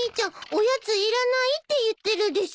おやついらないって言ってるです。